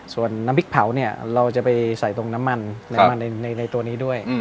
ส่วนน้ำพริกเผาเนี่ยเราจะไปใส่ตรงน้ำมันน้ำมันในตัวนี้ด้วย